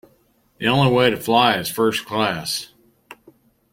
The only way to fly is first class